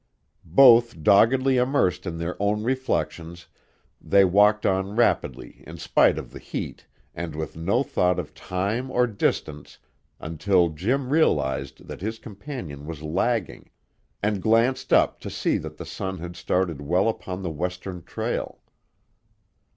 Both doggedly immersed in their own reflections, they walked on rapidly in spite of the heat and with no thought of time or distance until Jim realized that his companion was lagging, and glanced up to see that the sun had started well upon the western trail.